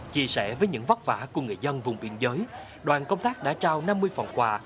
chia sẻ với những vất vả của người dân vùng biên giới đoàn công tác đã trao năm mươi phần quà